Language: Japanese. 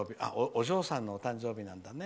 お嬢さんのお誕生日なんだね。